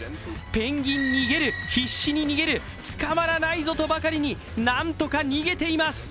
ペンギン逃げる、必死に逃げる捕まらないぞとばかりになんとか逃げています。